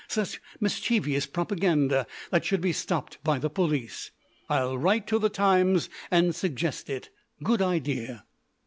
Such mischievous propaganda should be stopped by the police. I'll write to the Times and suggest it. Good idea!